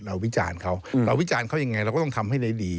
วิจารณ์เขาเราวิจารณ์เขายังไงเราก็ต้องทำให้ได้ดี